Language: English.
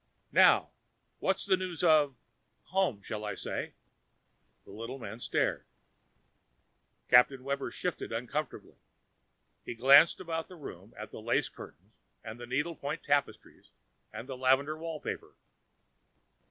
Now, what news of home, shall I say?" The little man stared. Captain Webber shifted uncomfortably. He glanced around the room at the lace curtains, the needle point tapestries and the lavender wallpaper.